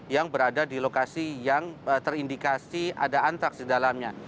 yang berada di lokasi yang terindikasi ada antraks di dalamnya